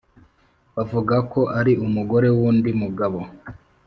bavuga ko ari umugore wundi mugabo